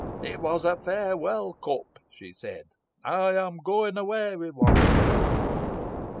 'It was a farewell cup,' she said; 'I am going away with one of you.'